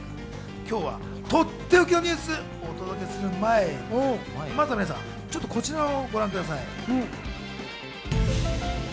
今日はとっておきのニュースをお届けする前に、まずは皆さん、ちょっとこちらをご覧ください。